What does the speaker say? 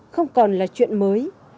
không còn là chuyện mới